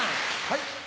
はい。